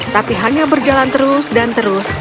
tapi hanya berjalan terus dan terus